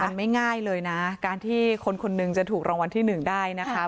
มันไม่ง่ายเลยนะการที่คนคนหนึ่งจะถูกรางวัลที่หนึ่งได้นะคะ